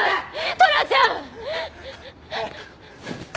トラちゃん！！